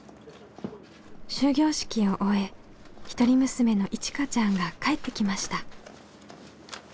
終業式を終え一人娘のいちかちゃんが帰ってきました。